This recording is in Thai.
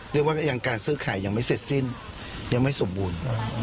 เรียกว่ายังการซื้อขายยังไม่เสร็จสิ้นยังไม่สมบูรณ์